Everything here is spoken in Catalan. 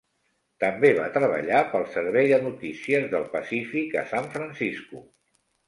També va treballar pel Servei de Notícies del Pacífic a San Francisco.